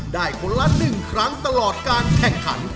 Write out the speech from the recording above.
ได้คนละหนึ่งครั้งตลอดการแข่งขัน